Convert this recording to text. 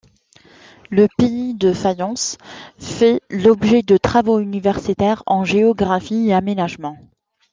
Le Pays de Fayence fait l'objet de travaux universitaires en géographie et aménagement.